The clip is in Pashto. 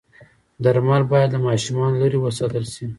درمل باید له ماشومانو لرې وساتل شي.